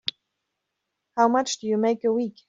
How much do you make a week?